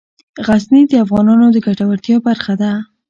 غزني د افغانانو د ګټورتیا برخه ده.